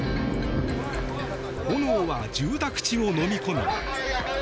炎は住宅地をのみ込み